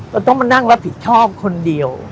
ต้องมานั่งรับผิดชอบคนเดียว